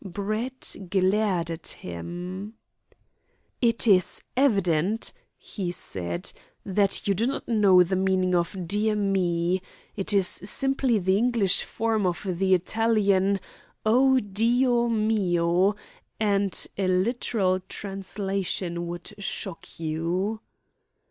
Brett glared at him. "It is evident," he said, "that you do not know the meaning of 'Dear me.' It is simply the English form of the Italian 'O Dio mio!' and a literal translation would shock you."